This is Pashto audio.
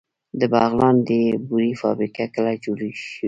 د بغلان د بورې فابریکه کله جوړه شوه؟